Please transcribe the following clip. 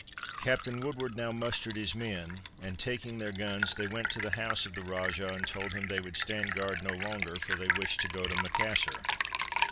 Captain Woodward now mustered his men, and taking their guns they went to the house of the Rajah and told him they would stand guard no longer for they wished to go to Macassar.